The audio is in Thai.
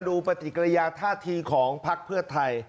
ดูปฏิกรยาท่าทีของภักดิ์เพื่อไทย